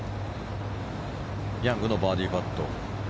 ヤングのバーディーパット。